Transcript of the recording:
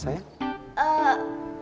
sayang di sini kan